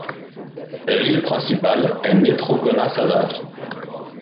La ville principale est Netrokona Sadar.